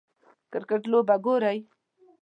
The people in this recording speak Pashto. کریکټ لوبه ګورئ